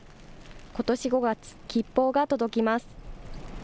ことし５月、吉報が届きます。